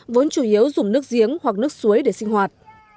vốn chủ yếu dùng nước giếng hoặc nước suối để sinh hoạt